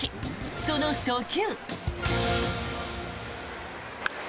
その初球。